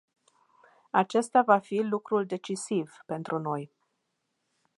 Acesta va fi lucrul decisiv pentru noi.